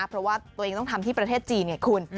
เพราะว่าตัวเองต้องทำที่ประเทศจีนไงคุณ